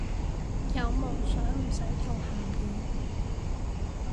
有夢想唔使做鹹魚